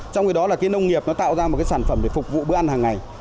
trong khi đó là cái nông nghiệp nó tạo ra một cái sản phẩm để phục vụ bữa ăn hàng ngày